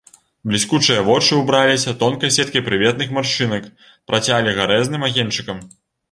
Бліскучыя вочы ўбраліся тонкай сеткай прыветных маршчынак, працялі гарэзным агеньчыкам.